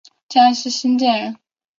江西新建人。